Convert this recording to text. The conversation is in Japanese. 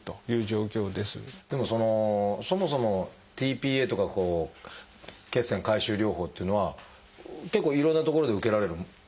でもそのそもそもｔ−ＰＡとか血栓回収療法っていうのは結構いろんな所で受けられるものですか？